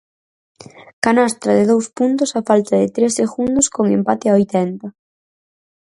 Canastra de dous puntos á falta de tres segundos con empate a oitenta.